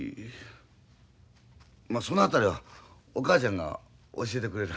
まあその辺りはお母ちゃんが教えてくれる。